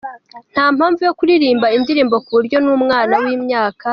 Ntampamvu yo kuririmba indirimbo kuburyo numwana wimyaka.